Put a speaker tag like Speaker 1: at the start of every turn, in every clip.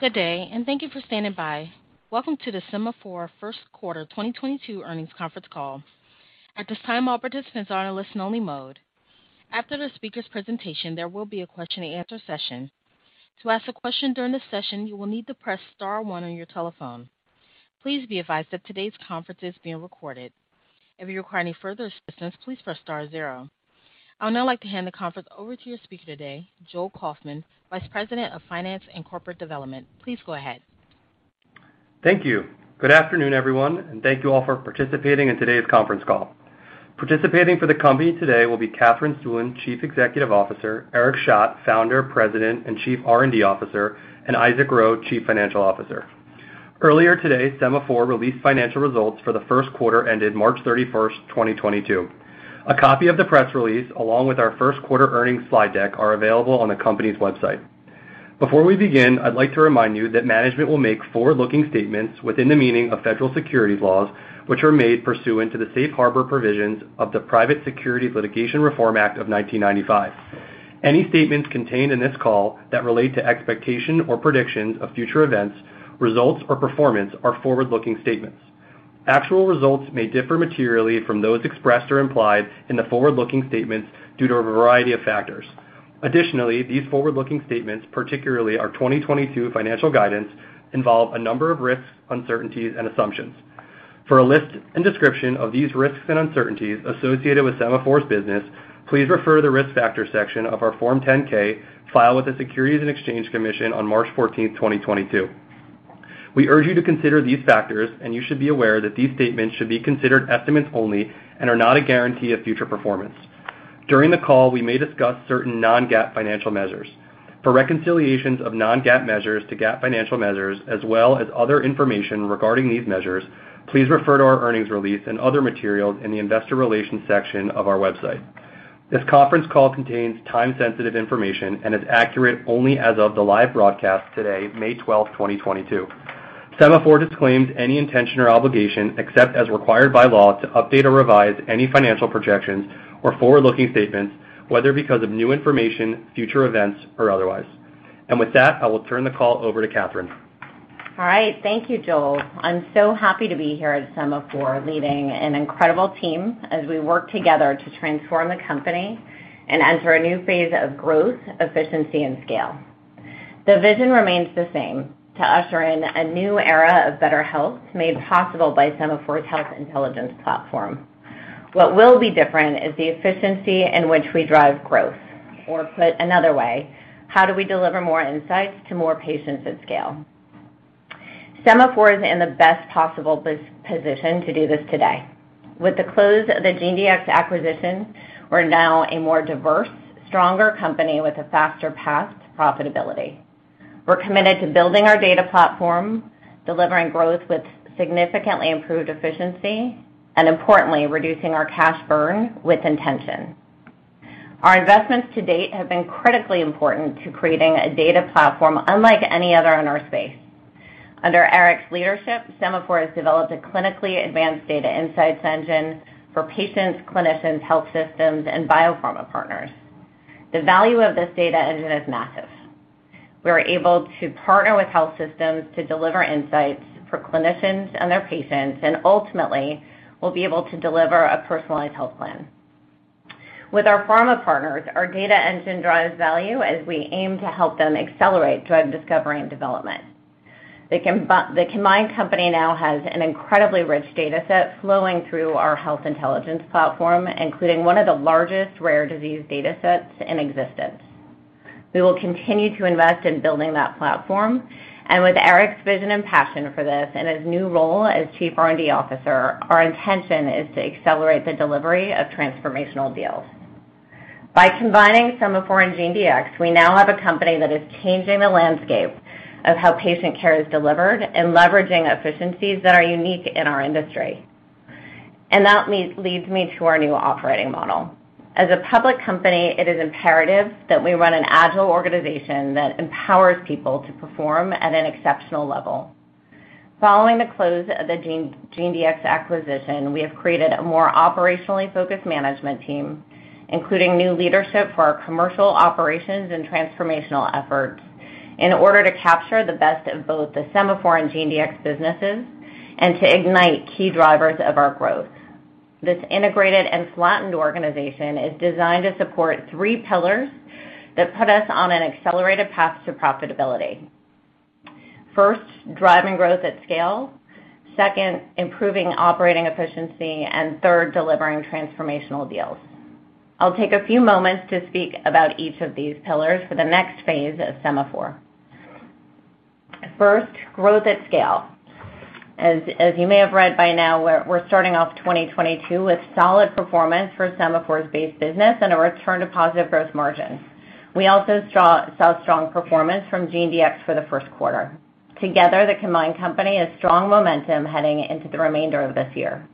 Speaker 1: Good day, and thank you for standing by. Welcome to the Sema4 First Quarter 2022 Earnings Conference Call. At this time, all participants are in a listen only mode. After the speaker's presentation, there will be a question-and-answer session. To ask a question during the session, you will need to press star one on your telephone. Please be advised that today's conference is being recorded. If you require any further assistance, please press star zero. I would now like to hand the conference over to your speaker today, Joel Kaufman, Vice President of Finance and Corporate Development. Please go ahead.
Speaker 2: Thank you. Good afternoon, everyone, and thank you all for participating in today's conference call. Participating for the company today will be Katherine Stueland, Chief Executive Officer, Eric Schadt, Founder, President, and Chief R&D Officer, and Isaac Ro, Chief Financial Officer. Earlier today, Sema4 released financial results for the first quarter ended March 31, 2022. A copy of the press release, along with our first quarter earnings slide deck, are available on the company's website. Before we begin, I'd like to remind you that management will make forward-looking statements within the meaning of federal securities laws, which are made pursuant to the Safe Harbor provisions of the Private Securities Litigation Reform Act of 1995. Any statements contained in this call that relate to expectation or predictions of future events, results, or performance are forward-looking statements. Actual results may differ materially from those expressed or implied in the forward-looking statements due to a variety of factors. Additionally, these forward-looking statements, particularly our 2022 financial guidance, involve a number of risks, uncertainties, and assumptions. For a list and description of these risks and uncertainties associated with Sema4's business, please refer to the Risk Factors section of our Form 10-K filed with the Securities and Exchange Commission on March 14, 2022. We urge you to consider these factors, and you should be aware that these statements should be considered estimates only and are not a guarantee of future performance. During the call, we may discuss certain non-GAAP financial measures. For reconciliations of non-GAAP measures to GAAP financial measures as well as other information regarding these measures, please refer to our earnings release and other materials in the Investor Relations section of our website. This conference call contains time-sensitive information and is accurate only as of the live broadcast today, May 12th, 2022. Sema4 disclaims any intention or obligation, except as required by law, to update or revise any financial projections or forward-looking statements, whether because of new information, future events, or otherwise. With that, I will turn the call over to Katherine.
Speaker 3: All right. Thank you, Joel. I'm so happy to be here at Sema4, leading an incredible team as we work together to transform the company and enter a new phase of growth, efficiency, and scale. The vision remains the same, to usher in a new era of better health made possible by Sema4's health intelligence platform. What will be different is the efficiency in which we drive growth, or put another way, how do we deliver more insights to more patients at scale? Sema4 is in the best possible position to do this today. With the close of the GeneDx acquisition, we're now a more diverse, stronger company with a faster path to profitability. We're committed to building our data platform, delivering growth with significantly improved efficiency, and importantly, reducing our cash burn with intention. Our investments to date have been critically important to creating a data platform unlike any other in our space. Under Eric's leadership, Sema4 has developed a clinically advanced data insights engine for patients, clinicians, health systems, and biopharma partners. The value of this data engine is massive. We are able to partner with health systems to deliver insights for clinicians and their patients, and ultimately, we'll be able to deliver a personalized health plan. With our pharma partners, our data engine drives value as we aim to help them accelerate drug discovery and development. The combined company now has an incredibly rich data set flowing through our health intelligence platform, including one of the largest rare disease data sets in existence. We will continue to invest in building that platform, and with Eric's vision and passion for this and his new role as Chief R&D Officer, our intention is to accelerate the delivery of transformational deals. By combining Sema4 and GeneDx, we now have a company that is changing the landscape of how patient care is delivered and leveraging efficiencies that are unique in our industry. That leads me to our new operating model. As a public company, it is imperative that we run an agile organization that empowers people to perform at an exceptional level. Following the close of the GeneDx acquisition, we have created a more operationally focused management team, including new leadership for our commercial operations and transformational efforts in order to capture the best of both the Sema4 and GeneDx businesses and to ignite key drivers of our growth. This integrated and flattened organization is designed to support three pillars that put us on an accelerated path to profitability. First, driving growth at scale. Second, improving operating efficiency. Third, delivering transformational deals. I'll take a few moments to speak about each of these pillars for the next phase of Sema4. First, growth at scale. As you may have read by now, we're starting off 2022 with solid performance for Sema4's base business and a return to positive growth margins. We also saw strong performance from GeneDx for the first quarter. Together, the combined company has strong momentum heading into the remainder of this year.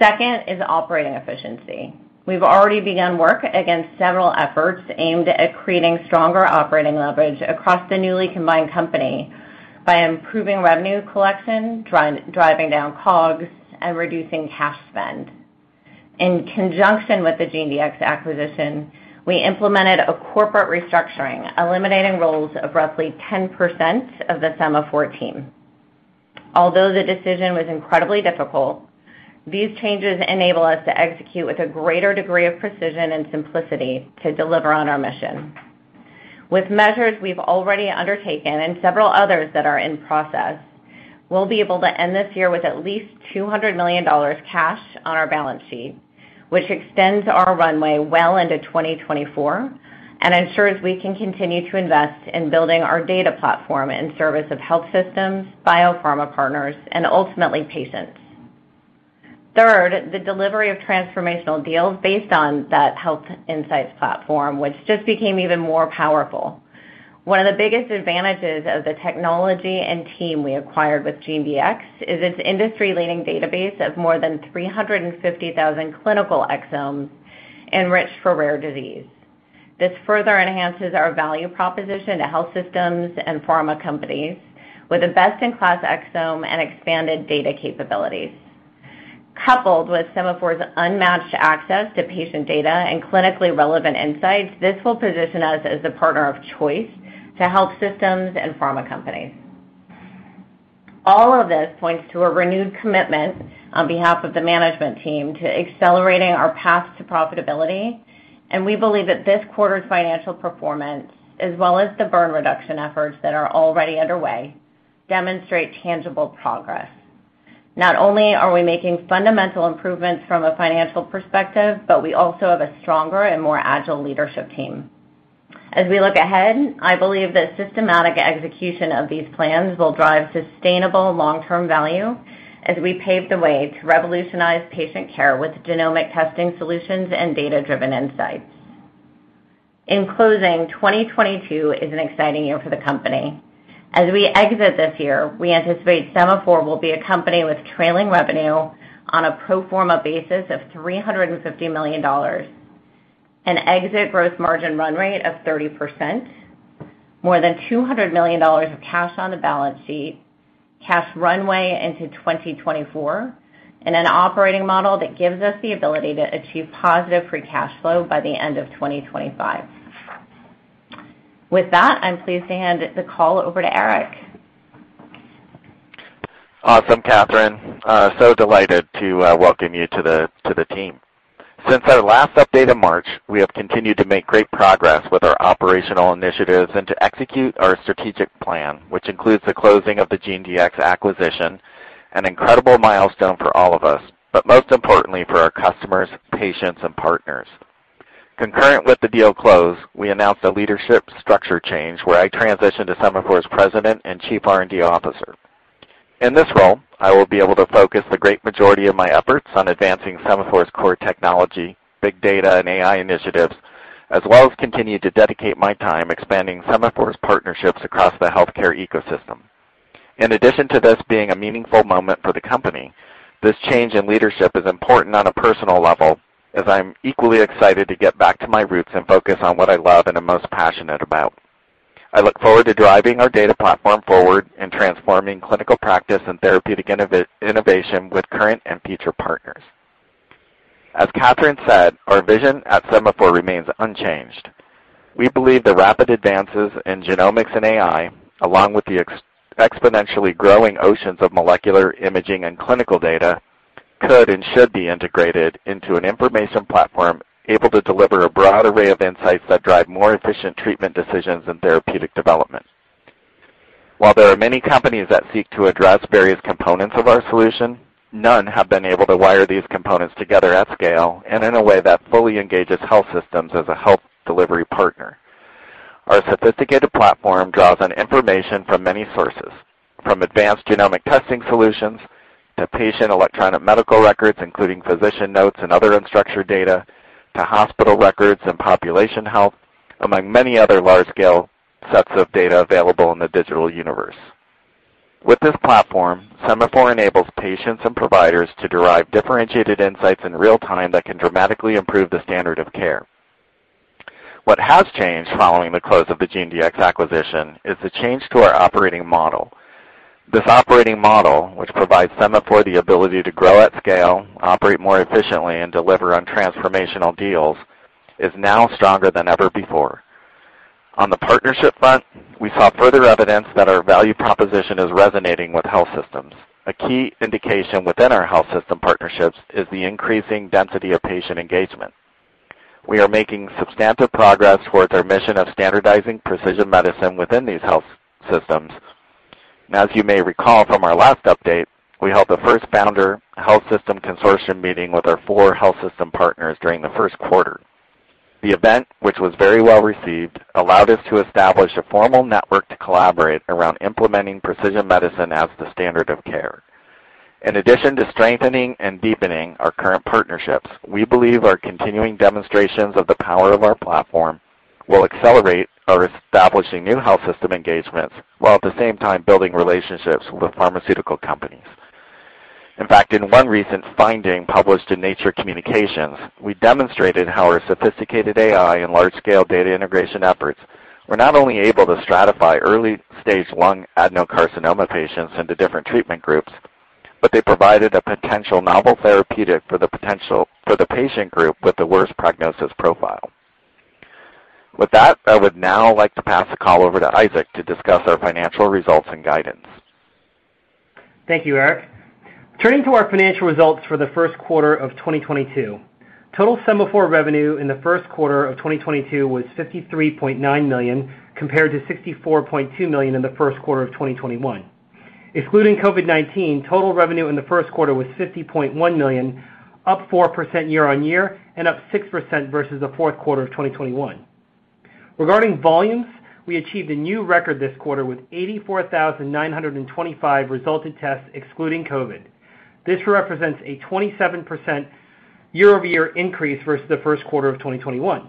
Speaker 3: Second is operating efficiency. We've already begun work against several efforts aimed at creating stronger operating leverage across the newly combined company by improving revenue collection, driving down COGS, and reducing cash spend. In conjunction with the GeneDx acquisition, we implemented a corporate restructuring, eliminating roles of roughly 10% of the Sema4 team. Although the decision was incredibly difficult, these changes enable us to execute with a greater degree of precision and simplicity to deliver on our mission. With measures we've already undertaken and several others that are in process, we'll be able to end this year with at least $200 million cash on our balance sheet, which extends our runway well into 2024 and ensures we can continue to invest in building our data platform in service of health systems, biopharma partners, and ultimately patients. Third, the delivery of transformational deals based on that health insights platform, which just became even more powerful. One of the biggest advantages of the technology and team we acquired with GeneDx is its industry-leading database of more than 350,000 clinical exomes enriched for rare disease. This further enhances our value proposition to health systems and pharma companies with a best-in-class exome and expanded data capabilities. Coupled with Sema4's unmatched access to patient data and clinically relevant insights, this will position us as the partner of choice to health systems and pharma companies. All of this points to a renewed commitment on behalf of the management team to accelerating our path to profitability, and we believe that this quarter's financial performance, as well as the burn reduction efforts that are already underway, demonstrate tangible progress. Not only are we making fundamental improvements from a financial perspective, but we also have a stronger and more agile leadership team. As we look ahead, I believe that systematic execution of these plans will drive sustainable long-term value as we pave the way to revolutionize patient care with genomic testing solutions and data-driven insights. In closing, 2022 is an exciting year for the company. As we exit this year, we anticipate Sema4 will be a company with trailing revenue on a pro forma basis of $350 million, an exit gross margin run rate of 30%, more than $200 million of cash on the balance sheet, cash runway into 2024, and an operating model that gives us the ability to achieve positive free cash flow by the end of 2025. With that, I'm pleased to hand the call over to Eric.
Speaker 4: Awesome, Katherine. Delighted to welcome you to the team. Since our last update in March, we have continued to make great progress with our operational initiatives and to execute our strategic plan, which includes the closing of the GeneDx acquisition, an incredible milestone for all of us, but most importantly for our customers, patients, and partners. Concurrent with the deal close, we announced a leadership structure change where I transitioned to Sema4's President and Chief R&D Officer. In this role, I will be able to focus the great majority of my efforts on advancing Sema4's core technology, big data, and AI initiatives, as well as continue to dedicate my time expanding Sema4's partnerships across the healthcare ecosystem. In addition to this being a meaningful moment for the company, this change in leadership is important on a personal level as I'm equally excited to get back to my roots and focus on what I love and am most passionate about. I look forward to driving our data platform forward and transforming clinical practice and therapeutic innovation with current and future partners. As Katherine said, our vision at Sema4 remains unchanged. We believe the rapid advances in genomics and AI, along with the exponentially growing oceans of molecular imaging and clinical data, could and should be integrated into an information platform able to deliver a broad array of insights that drive more efficient treatment decisions and therapeutic development. While there are many companies that seek to address various components of our solution, none have been able to wire these components together at scale and in a way that fully engages health systems as a health delivery partner. Our sophisticated platform draws on information from many sources, from advanced genomic testing solutions to patient electronic medical records, including physician notes and other unstructured data, to hospital records and population health, among many other large-scale sets of data available in the digital universe. With this platform, Sema4 enables patients and providers to derive differentiated insights in real-time that can dramatically improve the standard of care. What has changed following the close of the GeneDx acquisition is the change to our operating model. This operating model, which provides Sema4 the ability to grow at scale, operate more efficiently, and deliver on transformational deals, is now stronger than ever before. On the partnership front, we saw further evidence that our value proposition is resonating with health systems. A key indication within our health system partnerships is the increasing density of patient engagement. We are making substantive progress towards our mission of standardizing precision medicine within these health systems. As you may recall from our last update, we held the first founder health system consortium meeting with our four health system partners during the first quarter. The event, which was very well-received, allowed us to establish a formal network to collaborate around implementing precision medicine as the standard of care. In addition to strengthening and deepening our current partnerships, we believe our continuing demonstrations of the power of our platform will accelerate our establishing new health system engagements, while at the same time building relationships with pharmaceutical companies. In fact, in one recent finding published in Nature Communications, we demonstrated how our sophisticated AI and large-scale data integration efforts. We're not only able to stratify early-stage lung adenocarcinoma patients into different treatment groups, but they provided a potential novel therapeutic for the patient group with the worst prognosis profile. With that, I would now like to pass the call over to Isaac to discuss our financial results and guidance.
Speaker 5: Thank you, Eric. Turning to our financial results for the first quarter of 2022. Total Sema4 revenue in the first quarter of 2022 was $53.9 million, compared to $64.2 million in the first quarter of 2021. Excluding COVID-19, total revenue in the first quarter was $50.1 million, up 4% year-over-year and up 6% versus the fourth quarter of 2021. Regarding volumes, we achieved a new record this quarter with 84,925 resulted tests excluding COVID. This represents a 27% year-over-year increase versus the first quarter of 2021.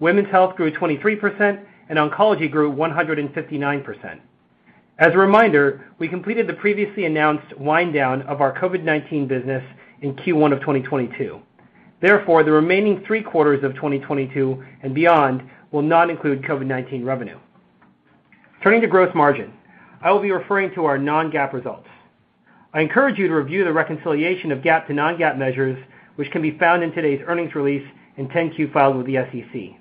Speaker 5: Women's health grew 23%, and oncology grew 159%. As a reminder, we completed the previously announced wind down of our COVID-19 business in Q1 of 2022. Therefore, the remaining 3/4 of 2022 and beyond will not include COVID-19 revenue. Turning to gross margin, I will be referring to our non-GAAP results. I encourage you to review the reconciliation of GAAP to non-GAAP measures, which can be found in today's earnings release in 10-Q filed with the SEC.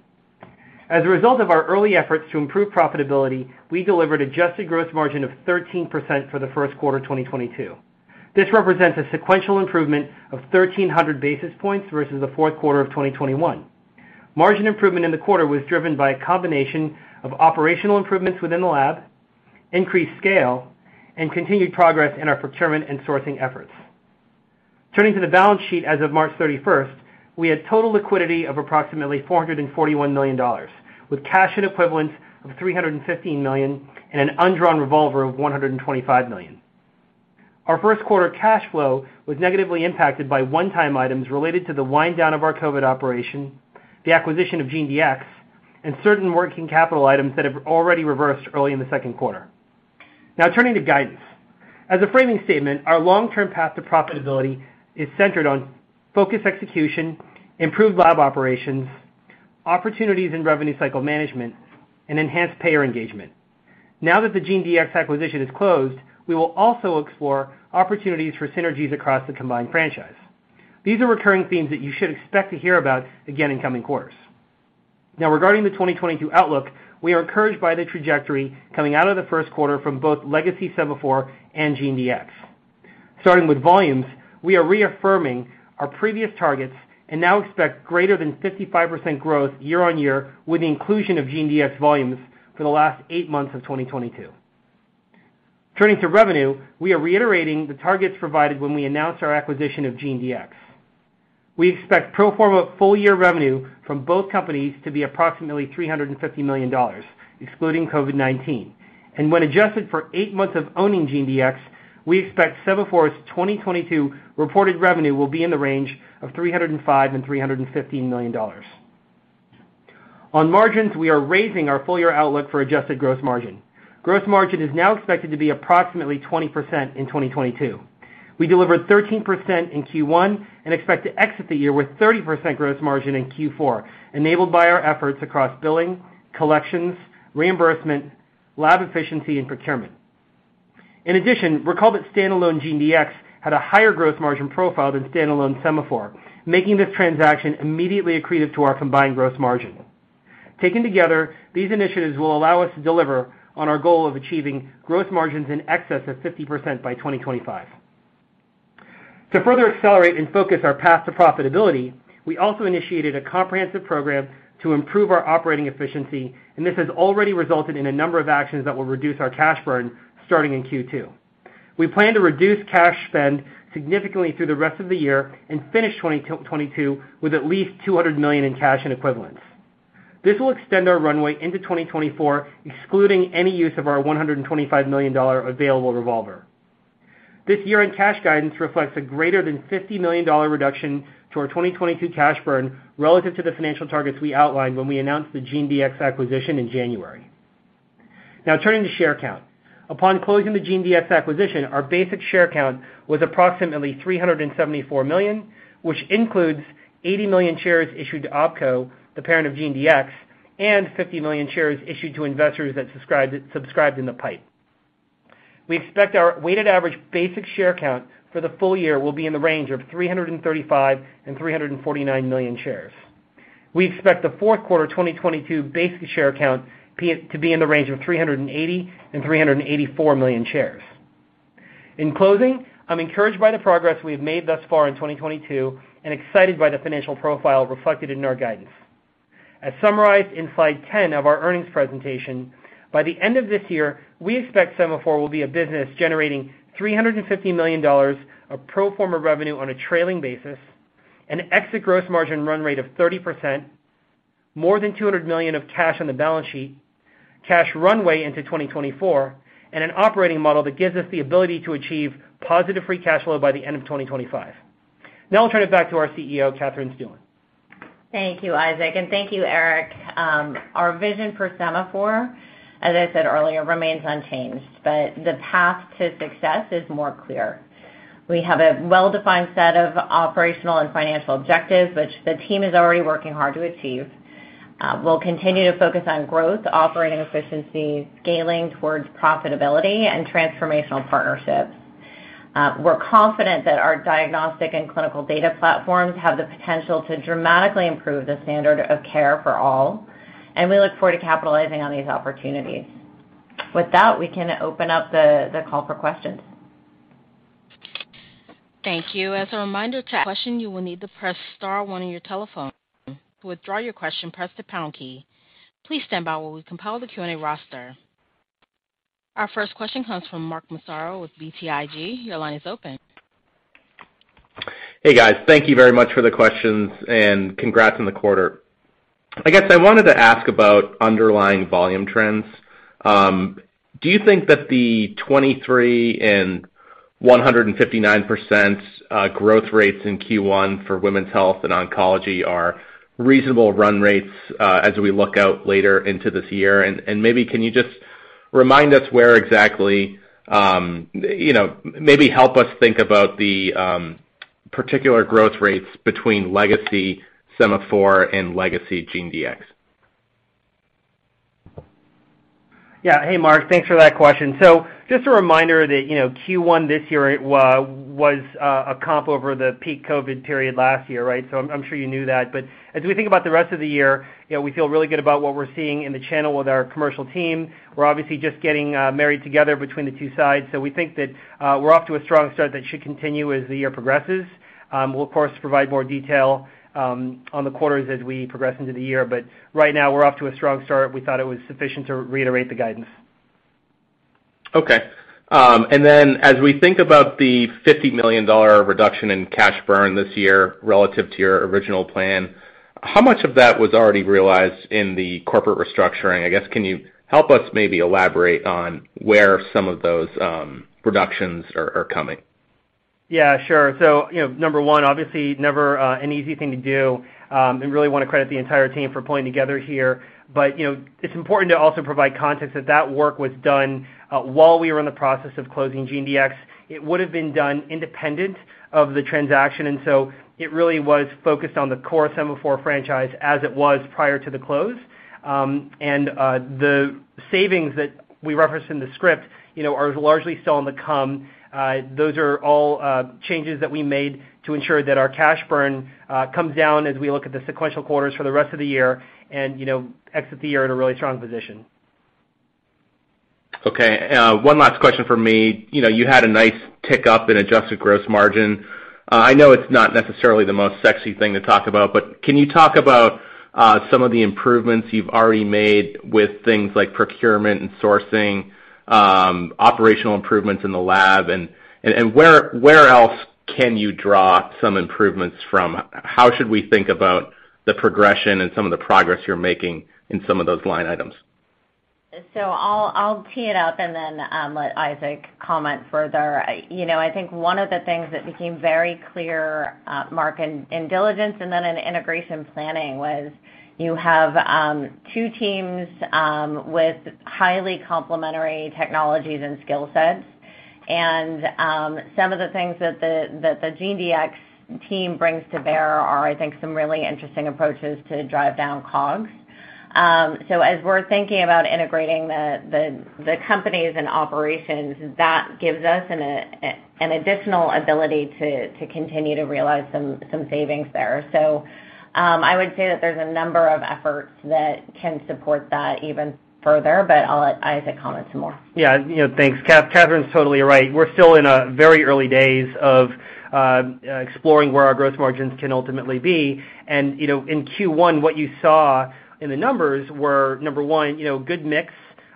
Speaker 5: As a result of our early efforts to improve profitability, we delivered adjusted gross margin of 13% for the first quarter of 2022. This represents a sequential improvement of 1,300 basis points versus the fourth quarter of 2021. Margin improvement in the quarter was driven by a combination of operational improvements within the lab, increased scale, and continued progress in our procurement and sourcing efforts. Turning to the balance sheet as of March 31, we had total liquidity of approximately $441 million, with cash and equivalents of $315 million and an undrawn revolver of $125 million. Our first quarter cash flow was negatively impacted by one-time items related to the wind down of our COVID operation, the acquisition of GeneDx, and certain working capital items that have already reversed early in the second quarter. Now turning to guidance. As a framing statement, our long-term path to profitability is centered on focused execution, improved lab operations, opportunities in revenue cycle management, and enhanced payer engagement. Now that the GeneDx acquisition is closed, we will also explore opportunities for synergies across the combined franchise. These are recurring themes that you should expect to hear about again in coming quarters. Now regarding the 2022 outlook, we are encouraged by the trajectory coming out of the first quarter from both legacy Sema4 and GeneDx. Starting with volumes, we are reaffirming our previous targets and now expect greater than 55% growth year-on-year with the inclusion of GeneDx volumes for the last eight months of 2022. Turning to revenue, we are reiterating the targets provided when we announced our acquisition of GeneDx. We expect pro forma full-year revenue from both companies to be approximately $350 million, excluding COVID-19. When adjusted for eight months of owning GeneDx, we expect Sema4's 2022 reported revenue will be in the range of $305 million and $315 million. On margins, we are raising our full-year outlook for adjusted gross margin. Gross margin is now expected to be approximately 20% in 2022. We delivered 13% in Q1 and expect to exit the year with 30% gross margin in Q4, enabled by our efforts across billing, collections, reimbursement, lab efficiency, and procurement. In addition, recall that standalone GeneDx had a higher gross margin profile than standalone Sema4, making this transaction immediately accretive to our combined gross margin. Taken together, these initiatives will allow us to deliver on our goal of achieving gross margins in excess of 50% by 2025. To further accelerate and focus our path to profitability, we also initiated a comprehensive program to improve our operating efficiency, and this has already resulted in a number of actions that will reduce our cash burn starting in Q2. We plan to reduce cash spend significantly through the rest of the year and finish 2022 with at least $200 million in cash and equivalents. This will extend our runway into 2024, excluding any use of our $125 million available revolver. This year-end cash guidance reflects a greater than $50 million reduction to our 2022 cash burn relative to the financial targets we outlined when we announced the GeneDx acquisition in January. Now turning to share count. Upon closing the GeneDx acquisition, our basic share count was approximately 374 million, which includes 80 million shares issued to OPKO, the parent of GeneDx, and 50 million shares issued to investors that subscribed in the PIPE. We expect our weighted average basic share count for the full year will be in the range of 335 million and 349 million shares. We expect the fourth quarter 2022 basic share count to be in the range of 380 million and 384 million shares. In closing, I'm encouraged by the progress we've made thus far in 2022 and excited by the financial profile reflected in our guidance. As summarized in slide 10 of our earnings presentation, by the end of this year, we expect Sema4 will be a business generating $350 million of pro forma revenue on a trailing basis, an exit gross margin run rate of 30%, more than $200 million of cash on the balance sheet, cash runway into 2024, and an operating model that gives us the ability to achieve positive free cash flow by the end of 2025. Now I'll turn it back to our CEO, Katherine Stueland.
Speaker 3: Thank you, Isaac, and thank you, Eric. Our vision for Sema4 as I said earlier, remains unchanged, but the path to success is more clear. We have a well-defined set of operational and financial objectives, which the team is already working hard to achieve. We'll continue to focus on growth, operating efficiency, scaling towards profitability, and transformational partnerships. We're confident that our diagnostic and clinical data platforms have the potential to dramatically improve the standard of care for all, and we look forward to capitalizing on these opportunities. With that, we can open up the call for questions.
Speaker 1: Thank you. As a reminder to ask a question, you will need to press star one on your telephone. To withdraw your question, press the pound key. Please stand by while we compile the Q&A roster. Our first question comes from Mark Massaro with BTIG. Your line is open.
Speaker 6: Hey, guys. Thank you very much for the questions, and congrats on the quarter. I guess I wanted to ask about underlying volume trends. Do you think that the 23% and 159% growth rates in Q1 for women's health and oncology are reasonable run rates, as we look out later into this year? Maybe can you just remind us where exactly, you know, maybe help us think about the particular growth rates between legacy Sema4 and legacy GeneDx.
Speaker 5: Yeah. Hey Mark, thanks for that question. Just a reminder that, you know, Q1 this year it was a comp over the peak COVID period last year, right? I'm sure you knew that. As we think about the rest of the year, you know, we feel really good about what we're seeing in the channel with our commercial team. We're obviously just getting married together between the two sides. We think that we're off to a strong start that should continue as the year progresses. We'll of course provide more detail on the quarters as we progress into the year. Right now we're off to a strong start. We thought it was sufficient to reiterate the guidance.
Speaker 6: Okay. As we think about the $50 million reduction in cash burn this year relative to your original plan, how much of that was already realized in the corporate restructuring? I guess, can you help us maybe elaborate on where some of those reductions are coming?
Speaker 5: Yeah, sure. Number one, obviously never an easy thing to do, and really wanna credit the entire team for pulling together here. You know, it's important to also provide context that that work was done while we were in the process of closing GeneDx. It would've been done independent of the transaction, and so it really was focused on the core Sema4 franchise as it was prior to the close. The savings that we referenced in the script, you know, are largely still on the come. Those are all changes that we made to ensure that our cash burn comes down as we look at the sequential quarters for the rest of the year and, you know, exit the year in a really strong position.
Speaker 6: Okay. One last question from me. You know, you had a nice tick up in adjusted gross margin. I know it's not necessarily the most sexy thing to talk about, but can you talk about some of the improvements you've already made with things like procurement and sourcing, operational improvements in the lab and where else can you draw some improvements from? How should we think about the progression and some of the progress you're making in some of those line items?
Speaker 3: I'll tee it up and then let Isaac comment further. You know, I think one of the things that became very clear, Mark, in diligence and then in integration planning was you have two teams with highly complementary technologies and skill sets. And some of the things that the GeneDx team brings to bear are, I think, some really interesting approaches to drive down COGS. As we're thinking about integrating the companies and operations, that gives us an additional ability to continue to realize some savings there. I would say that there's a number of efforts that can support that even further, but I'll let Isaac comment some more.
Speaker 5: Yeah, you know, thanks. Katherine's totally right. We're still in a very early days of exploring where our growth margins can ultimately be. You know, in Q1, what you saw in the numbers were, number one, you know, good mix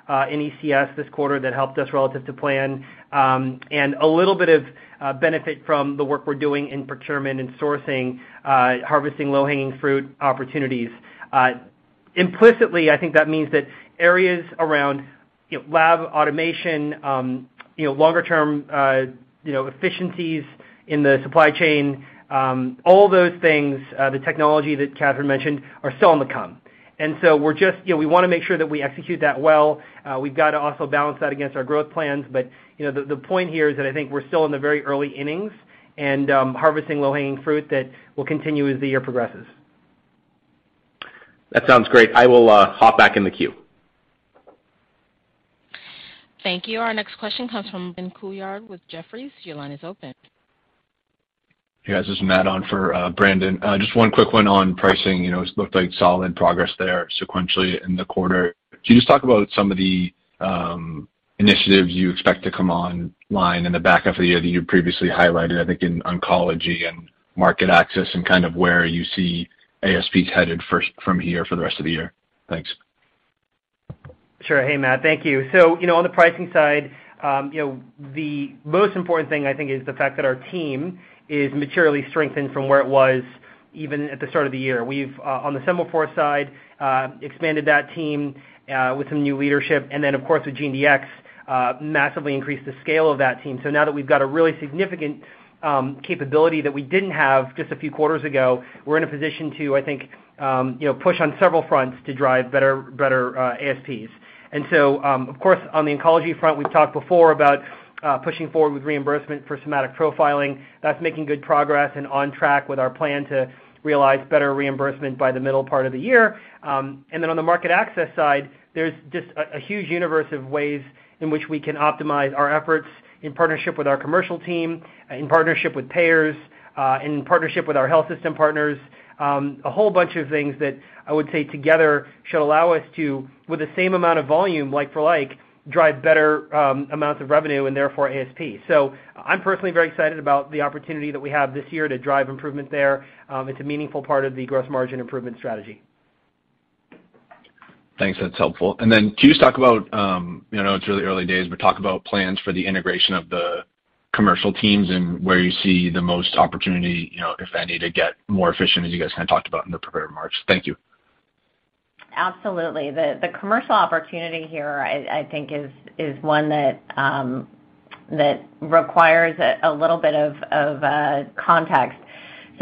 Speaker 5: in ECS this quarter that helped us relative to plan, and a little bit of benefit from the work we're doing in procurement and sourcing, harvesting low-hanging fruit opportunities. Implicitly, I think that means that areas around, you know, lab automation, you know, longer term, you know, efficiencies in the supply chain, all those things, the technology that Katherine mentioned are still on the come. You know, we wanna make sure that we execute that well. We've got to also balance that against our growth plans. You know, the point here is that I think we're still in the very early innings and harvesting low-hanging fruit that will continue as the year progresses.
Speaker 6: That sounds great. I will hop back in the queue.
Speaker 1: Thank you. Our next question comes from Brandon Couillard with Jefferies. Your line is open.
Speaker 7: Hey, guys, this is Matt on for Brandon. Just one quick one on pricing. You know, it looked like solid progress there sequentially in the quarter. Can you just talk about some of the initiatives you expect to come online in the back half of the year that you previously highlighted, I think, in oncology and market access, and kind of where you see ASPs headed first from here for the rest of the year? Thanks.
Speaker 5: Sure. Hey, Matt. Thank you. You know, on the pricing side, the most important thing I think is the fact that our team is materially strengthened from where it was even at the start of the year. We've on the Sema4 side expanded that team with some new leadership, and then of course with GeneDx massively increased the scale of that team. Now that we've got a really significant capability that we didn't have just a few quarters ago, we're in a position to I think you know push on several fronts to drive better ASPs. Of course, on the oncology front, we've talked before about pushing forward with reimbursement for somatic profiling. That's making good progress and on track with our plan to realize better reimbursement by the middle part of the year. On the market access side, there's just a huge universe of ways in which we can optimize our efforts in partnership with our commercial team, in partnership with payers, in partnership with our health system partners. A whole bunch of things that I would say together should allow us to, with the same amount of volume, like for like, drive better amounts of revenue and therefore ASP. I'm personally very excited about the opportunity that we have this year to drive improvement there. It's a meaningful part of the gross margin improvement strategy.
Speaker 7: Thanks. That's helpful. Can you just talk about, you know, it's really early days, but talk about plans for the integration of the commercial teams and where you see the most opportunity, you know, if any, to get more efficient as you guys kind of talked about in the prepared remarks. Thank you.
Speaker 3: Absolutely. The commercial opportunity here, I think is one that requires a little bit of context.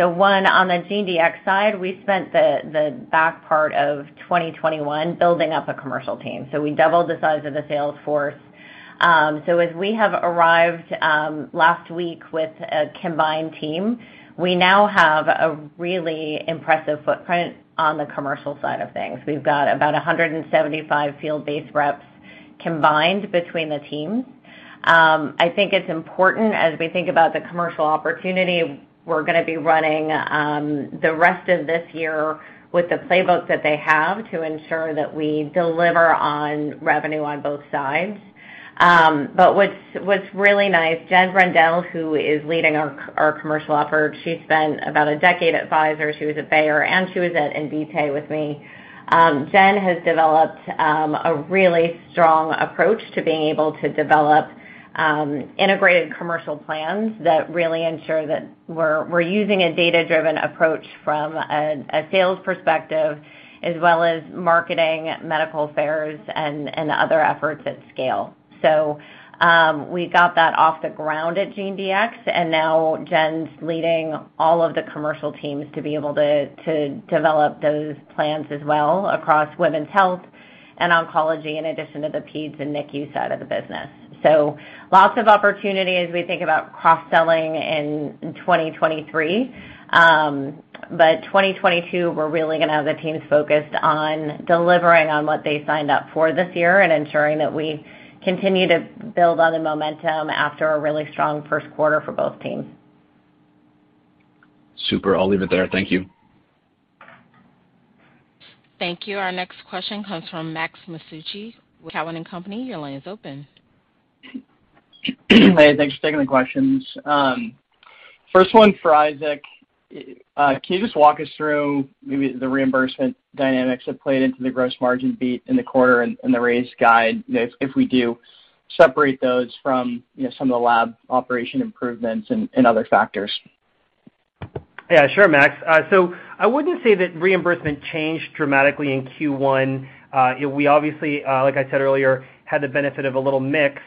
Speaker 3: On the GeneDx side, we spent the back part of 2021 building up a commercial team. We doubled the size of the sales force. As we have arrived last week with a combined team, we now have a really impressive footprint on the commercial side of things. We've got about 175 field-based reps combined between the teams. I think it's important as we think about the commercial opportunity, we're gonna be running the rest of this year with the playbook that they have to ensure that we deliver on revenue on both sides. What's really nice, Jen Brendel, who is leading our commercial effort, she spent about a decade at Pfizer. She was at Bayer, and she was at Invitae with me. Jen has developed a really strong approach to being able to develop integrated commercial plans that really ensure that we're using a data-driven approach from a sales perspective as well as marketing, medical affairs, and other efforts at scale. We got that off the ground at GeneDx, and now Jen's leading all of the commercial teams to develop those plans as well across women's health and oncology, in addition to the peds and NICU side of the business. Lots of opportunity as we think about cross-selling in 2023. 2022, we're really gonna have the teams focused on delivering on what they signed up for this year and ensuring that we continue to build on the momentum after a really strong first quarter for both teams.
Speaker 7: Super. I'll leave it there. Thank you.
Speaker 1: Thank you. Our next question comes from Max Masucci with Cowen and Company. Your line is open.
Speaker 8: Hey, thanks for taking the questions. First one for Isaac. Can you just walk us through maybe the reimbursement dynamics that played into the gross margin beat in the quarter and the raised guide, you know, if we do separate those from, you know, some of the lab operation improvements and other factors?
Speaker 5: Yeah, sure, Max. So I wouldn't say that reimbursement changed dramatically in Q1. We obviously, like I said earlier, had the benefit of a little mix.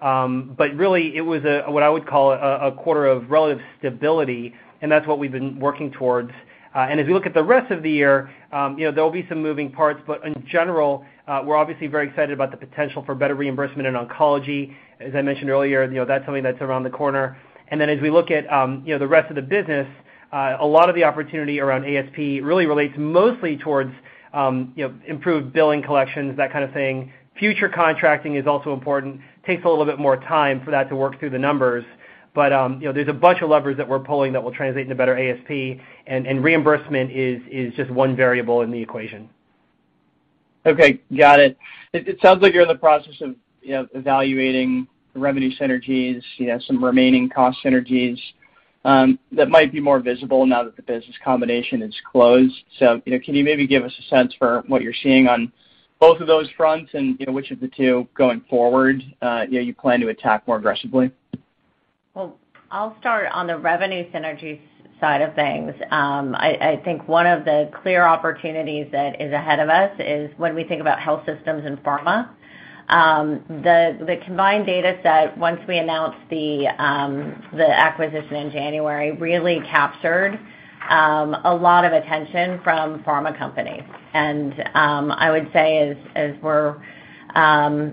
Speaker 5: But really, it was what I would call a quarter of relative stability, and that's what we've been working towards. As we look at the rest of the year, you know, there'll be some moving parts. In general, we're obviously very excited about the potential for better reimbursement in oncology. As I mentioned earlier, you know, that's something that's around the corner. As we look at, you know, the rest of the business, a lot of the opportunity around ASP really relates mostly towards, you know, improved billing collections, that kind of thing. Future contracting is also important. Takes a little bit more time for that to work through the numbers. You know, there's a bunch of levers that we're pulling that will translate into better ASP, and reimbursement is just one variable in the equation.
Speaker 8: Okay. Got it. It sounds like you're in the process of, you know, evaluating revenue synergies, you know, some remaining cost synergies, that might be more visible now that the business combination is closed. You know, can you maybe give us a sense for what you're seeing on both of those fronts and, you know, which of the two, going forward, you know, you plan to attack more aggressively?
Speaker 3: Well, I'll start on the revenue synergies side of things. I think one of the clear opportunities that is ahead of us is when we think about health systems and pharma. The combined data set, once we announced the acquisition in January, really captured a lot of attention from pharma companies. I would say,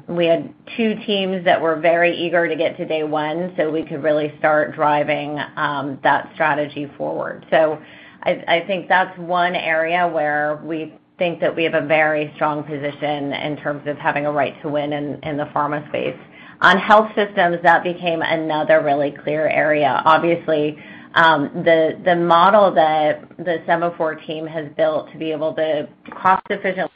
Speaker 3: we had two teams that were very eager to get to day one, so we could really start driving that strategy forward. I think that's one area where we think that we have a very strong position in terms of having a right to win in the pharma space. On health systems, that became another really clear area. Obviously, the model that the Sema4 team has built to be able to cost efficiently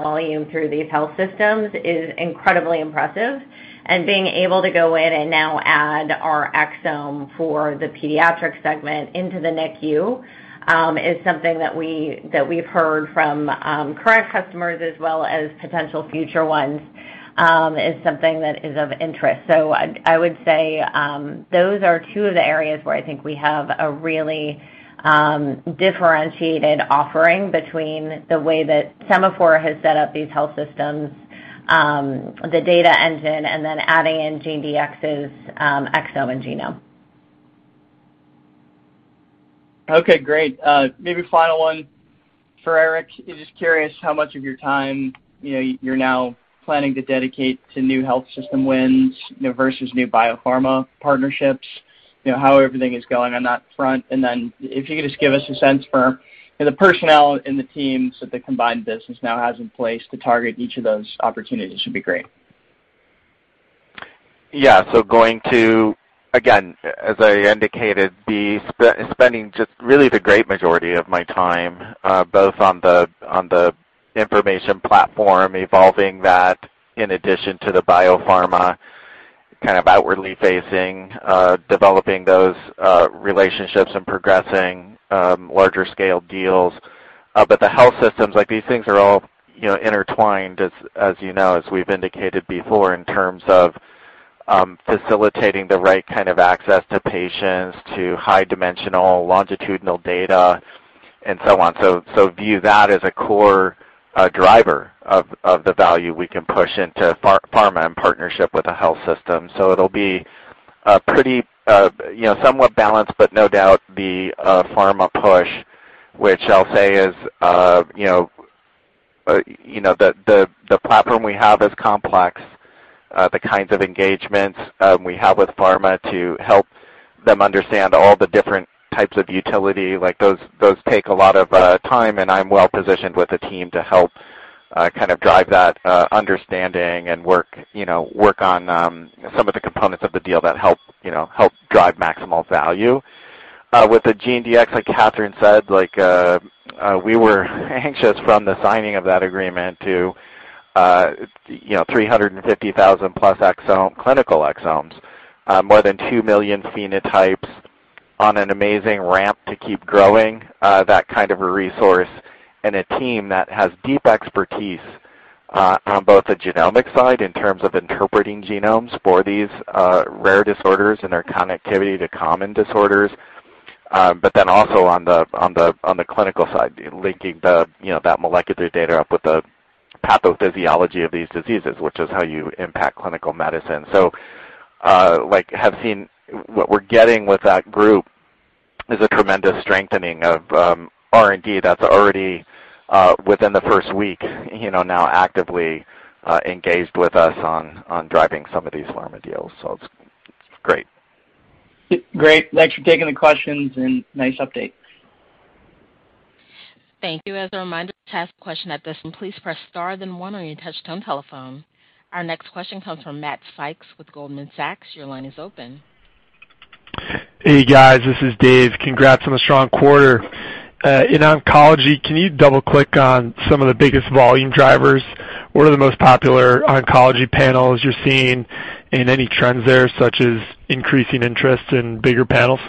Speaker 3: volume through these health systems is incredibly impressive. Being able to go in and now add our exome for the pediatric segment into the NICU is something that we've heard from current customers as well as potential future ones that is of interest. I would say those are two of the areas where I think we have a really differentiated offering between the way that Sema4 has set up these health systems, the data engine, and then adding in GeneDx's exome and genome.
Speaker 8: Okay, great. Maybe final one for Eric. Just curious how much of your time, you know, you're now planning to dedicate to new health system wins, you know, versus new biopharma partnerships. You know, how everything is going on that front. If you could just give us a sense for the personnel and the teams that the combined business now has in place to target each of those opportunities would be great.
Speaker 4: Yeah. Going to, again, as I indicated, be spending just really the great majority of my time, both on the information platform, evolving that in addition to the biopharma kind of outwardly facing, developing those relationships and progressing larger scale deals. The health systems, like these things are all, you know, intertwined, as you know, as we've indicated before, in terms of facilitating the right kind of access to patients, to high dimensional longitudinal data and so on. View that as a core driver of the value we can push into pharma in partnership with the health system. It'll be pretty, you know, somewhat balanced, but no doubt the pharma push, which I'll say is, you know, the platform we have is complex. The kinds of engagements we have with pharma to help them understand all the different types of utility, like those, take a lot of time and I'm well-positioned with the team to help kind of drive that understanding and work, you know, on some of the components of the deal that help, you know, drive maximal value. With the GeneDx, like Katherine said, like, we were anxious from the signing of that agreement to, you know, 350,000+ exome, clinical exomes, more than 2 million phenotypes on an amazing ramp to keep growing, that kind of a resource and a team that has deep expertise on both the genomic side in terms of interpreting genomes for these rare disorders and their connectivity to common disorders, but then also on the clinical side, linking the, you know, that molecular data up with the pathophysiology of these diseases, which is how you impact clinical medicine. What we're getting with that group is a tremendous strengthening of R&D that's already within the first week, you know, now actively engaged with us on driving some of these pharma deals. It's great.
Speaker 8: Great. Thanks for taking the questions and nice update.
Speaker 1: Thank you. As a reminder, to ask a question at this time, please press star then one on your touch tone telephone. Our next question comes from Matt Sykes with Goldman Sachs. Your line is open.
Speaker 9: Hey, guys, this is Dave. Congrats on the strong quarter. In oncology, can you double-click on some of the biggest volume drivers? What are the most popular oncology panels you're seeing and any trends there, such as increasing interest in bigger panels?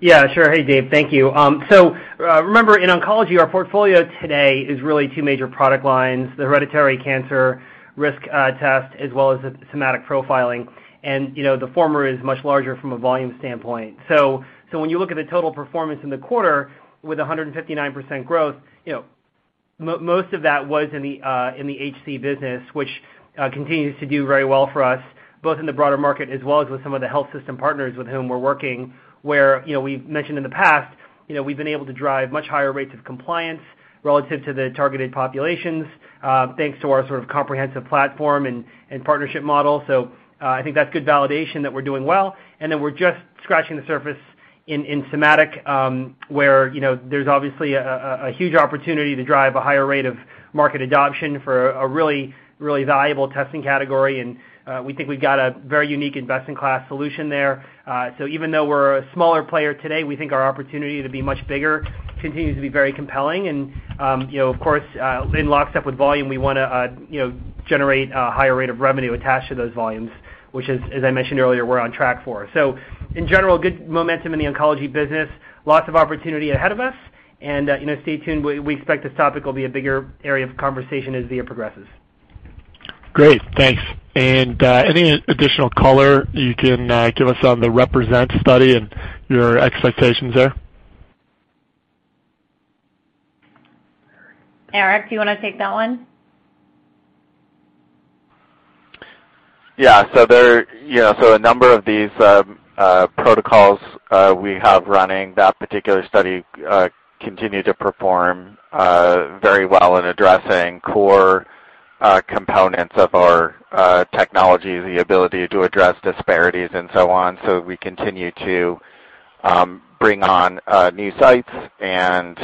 Speaker 5: Yeah, sure. Hey, Dave, thank you. Remember in oncology, our portfolio today is really two major product lines, the hereditary cancer risk test, as well as the somatic profiling. You know, the former is much larger from a volume standpoint. When you look at the total performance in the quarter with 159% growth, you know, most of that was in the HC business, which continues to do very well for us, both in the broader market as well as with some of the health system partners with whom we're working, where, you know, we've mentioned in the past, you know, we've been able to drive much higher rates of compliance relative to the targeted populations, thanks to our sort of comprehensive platform and partnership model. I think that's good validation that we're doing well, and that we're just scratching the surface in somatic, where, you know, there's obviously a huge opportunity to drive a higher rate of market adoption for a really, really valuable testing category. We think we've got a very unique and best-in-class solution there. Even though we're a smaller player today, we think our opportunity to be much bigger continues to be very compelling. You know, of course, in lockstep with volume, we wanna, you know, generate a higher rate of revenue attached to those volumes, which as I mentioned earlier, we're on track for. In general, good momentum in the oncology business. Lots of opportunity ahead of us. You know, stay tuned. We expect this topic will be a bigger area of conversation as the year progresses.
Speaker 9: Great. Thanks. Any additional color you can give us on the REPRESENT study and your expectations there?
Speaker 3: Eric, do you wanna take that one?
Speaker 4: Yeah. There, you know, a number of these protocols we have running that particular study continue to perform very well in addressing core components of our technology, the ability to address disparities and so on. We continue to bring on new sites and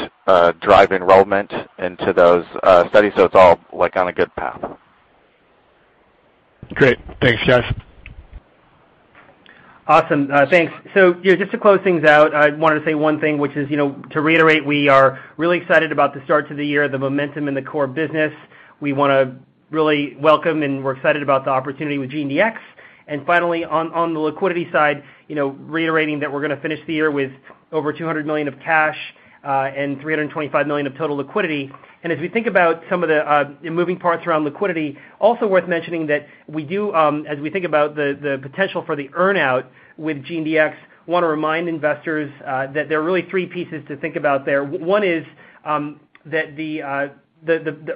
Speaker 4: drive enrollment into those studies. It's all like on a good path.
Speaker 9: Great. Thanks, guys.
Speaker 5: Awesome. Thanks. You know, just to close things out, I wanted to say one thing, which is, you know, to reiterate, we are really excited about the start to the year, the momentum in the core business. We wanna really welcome, and we're excited about the opportunity with GeneDx. Finally, on the liquidity side, you know, reiterating that we're gonna finish the year with over $200 million of cash, and $325 million of total liquidity. As we think about some of the moving parts around liquidity, also worth mentioning that we do, as we think about the potential for the earn-out with GeneDx, wanna remind investors, that there are really three pieces to think about there. One is that the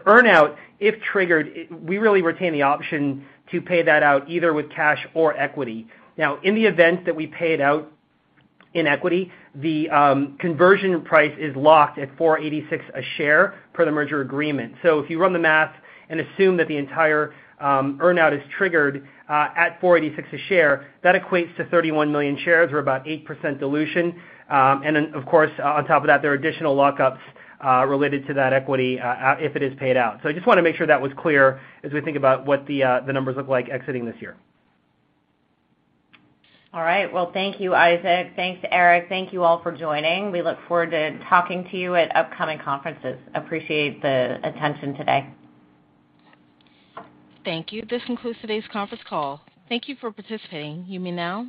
Speaker 5: earn-out, if triggered, we really retain the option to pay that out either with cash or equity. Now, in the event that we pay it out in equity, the conversion price is locked at $4.86 a share per the merger agreement. If you run the math and assume that the entire earn-out is triggered at $4.86 a share, that equates to 31 million shares or about 8% dilution. Of course, on top of that, there are additional lockups related to that equity if it is paid out. I just wanna make sure that was clear as we think about what the numbers look like exiting this year.
Speaker 3: All right. Well, thank you, Isaac. Thanks, Eric. Thank you all for joining. We look forward to talking to you at upcoming conferences. Appreciate the attention today.
Speaker 1: Thank you. This concludes today's conference call. Thank you for participating. You may now disconnect.